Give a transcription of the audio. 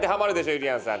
ゆりやんさん